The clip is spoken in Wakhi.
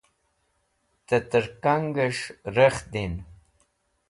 te tirkang'esh rekh din